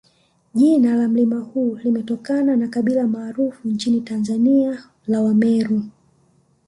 Jina la mlima huu limetokana na kabila maarufu nchini Tanzania la Wameru